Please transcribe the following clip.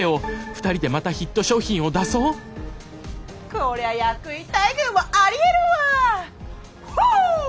こりゃ役員待遇もありえるわ！